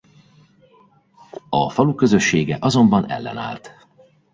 A falu közössége azonban ellenállt.